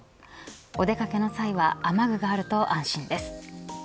お出掛けの際は雨具があると安心です。